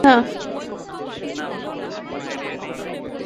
চুপ থাকতে পারিস না?